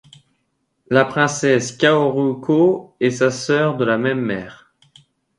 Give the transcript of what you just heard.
La princesse Kaoruko est sa sœur de la même mère.